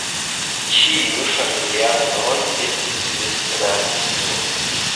Ĉiuj familianoj estis Esperantistoj.